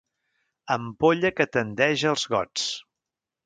Ampolla que tendeix als gots.